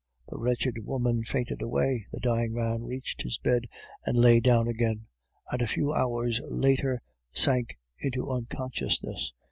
"The wretched woman fainted away. The dying man reached his bed and lay down again, and a few hours later sank into unconsciousness.